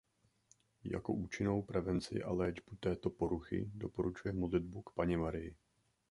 Jako účinnou prevenci a léčbu této "poruchy" doporučuje modlitbu k Panně Marii.